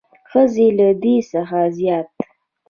ښځې له دې څخه زیات